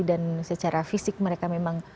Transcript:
dan secara fisik mereka memang